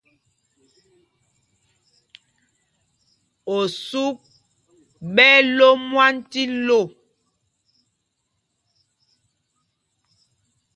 Osuk ɓɛ́ ɛ́ ló mwân tí lo.